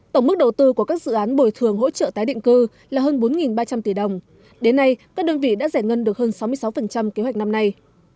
tổng mức đầu tư của các dự án bồi thường hỗ trợ tái định cư là hơn bốn ba trăm linh tỷ đồng đến nay các đơn vị đã giải ngân được hơn sáu mươi sáu kế hoạch năm nay